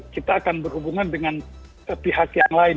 kita akan berhubungan dengan pihak yang lain